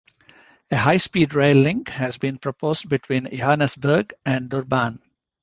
A high-speed rail link has been proposed, between Johannesburg and Durban.